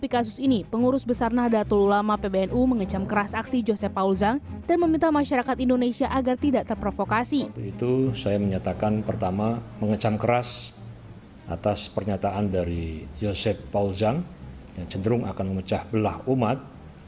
kepada detik com kedutaan besar ri untuk jerman selama enam bulan namun kini telah keluar